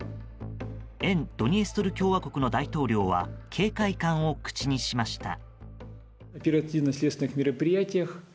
沿ドニエストル共和国の大統領は警戒感を口にしました。